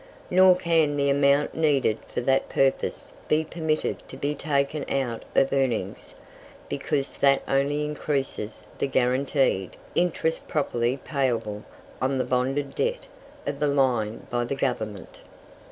Nor can the amount needed for that purpose be permitted to be taken out of earnings, because that only increases the guaranteed interest properly payable on the bonded debt of the line by the Government.